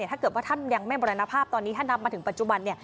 ถ้าเกิดว่าท่านยังไม่มรณภาพตอนนี้ถ้านับมาถึงปัจจุบัน